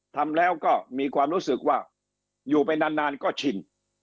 ทำแล้วก็มีความรู้สึกว่าอยู่ไปนานก็ชิน